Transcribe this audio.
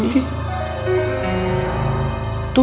itu itu itu